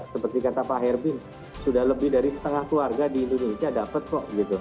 seperti kata pak herbin sudah lebih dari setengah keluarga di indonesia dapat kok